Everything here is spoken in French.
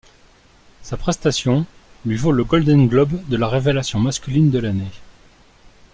Sa prestation lui vaut le Golden Globe de la révélation masculine de l'année.